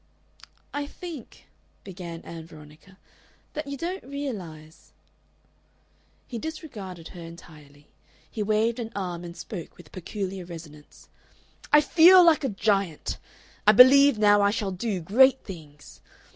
"I think," began Ann Veronica, "that you don't realize " He disregarded her entirely. He waved an arm and spoke with a peculiar resonance. "I feel like a giant! I believe now I shall do great things.